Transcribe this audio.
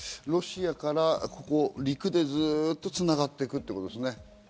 ロシアからここ、ずっと陸でつながっていくということですね。